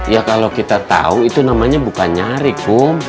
ya kalau kita tahu itu namanya bukan nyari kum